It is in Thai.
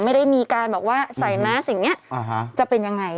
ไม่ได้มีการแบบว่าใส่แมสอย่างนี้จะเป็นยังไง